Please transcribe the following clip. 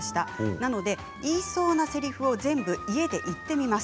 なので言いそうなせりふを全部家で言ってみます。